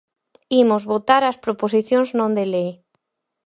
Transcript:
Imos votar as proposicións non de lei.